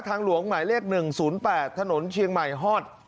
หลวงหมายเลข๑๐๘ถนนเชียงใหม่ฮอด